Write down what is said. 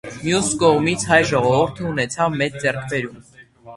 Մյուս կողմից հայ ժողովուրդը ունեցավ մեծ ձեռքբերում։